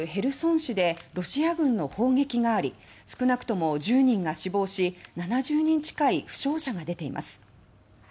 市でロシア軍の砲撃があり少なくとも１０人が死亡し７０人近い負傷者が出ています。